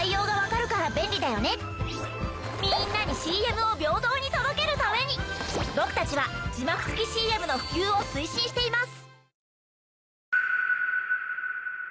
みんなにＣＭを平等に届けるために僕たちは字幕付きＣＭの普及を推進しています。